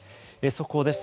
速報です。